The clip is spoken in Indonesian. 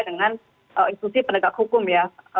dengan institusi penegak hukum ya